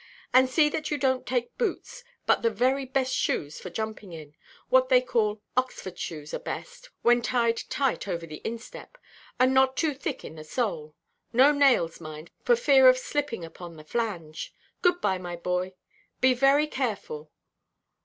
And see that you donʼt take boots, but the very best shoes for jumping in. What they call 'Oxford shoes' are best, when tied tight over the instep, and not too thick in the sole. No nails, mind, for fear of slipping upon the flange. Good–bye, my boy; be very careful.